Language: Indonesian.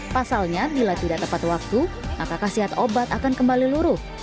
pasalnya bila tidak tepat waktu maka kasihat obat akan kembali luruh